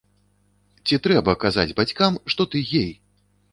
Ці трэба казаць бацькам, што ты гей?